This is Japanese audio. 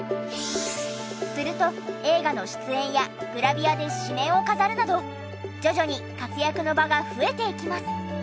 すると映画の出演やグラビアで誌面を飾るなど徐々に活躍の場が増えていきます。